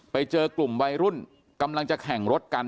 ไปเจอกลุ่มวัยรุ่นกำลังจะแข่งรถกัน